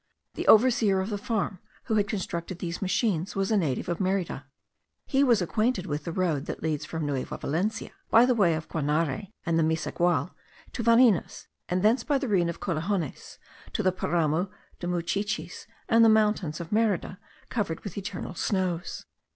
The overseer of the farm, who had constructed these machines, was a native of Merida. He was acquainted with the road that leads from Nueva Valencia, by the way of Guanare and Misagual, to Varinas; and thence by the ravine of Collejones, to the Paramo de Mucuchies and the mountains of Merida covered with eternal snows.